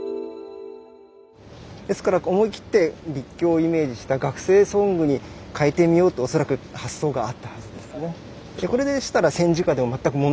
ですから思い切って立教をイメージした学生ソングに変えてみようと恐らく発想があったはずですね。